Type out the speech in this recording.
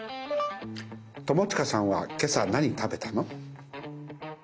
友近さんは今朝何食べたの。